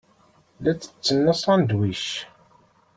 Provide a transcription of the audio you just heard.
La ttetten asandwic.